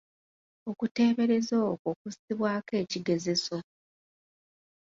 Okuteebereza okwo kussibwako ekigezeso.